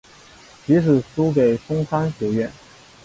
即使输给松商学园。